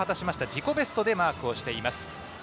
自己ベストでマークをしています。